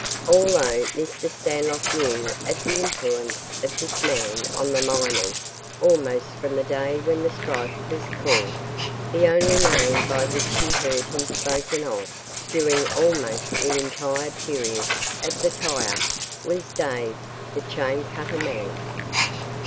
Although Mr. Stanlock knew of the influence of this man on the miners almost from the day when the strike was called, the only name by which he heard him spoken of during almost the entire period of the tie up was "Dave, the chain cutter man."